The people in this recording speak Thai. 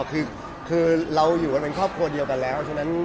คือเราอยู่กันเป็นครอบครัวเดียวกันแล้วฉะนั้น